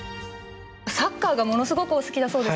サッカーがものすごくお好きだそうですね？